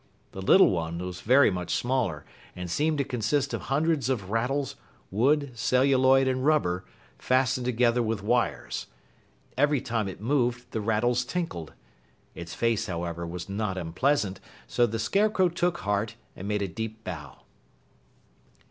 The little one was very much smaller and seemed to consist of hundreds of rattles, wood, celluloid, and rubber, fastened together with wires. Every time it moved, the rattles tinkled. Its face, however, was not unpleasant, so the Scarecrow took heart and made a deep bow.